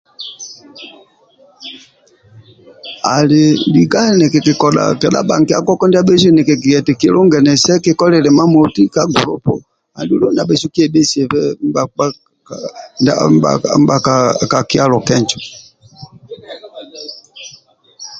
Ali lika nikikodha bhanikia koko ndia bhesu nikigia eti kilunganise kikolilie imamoti ka gulupu ka kyalo kenjo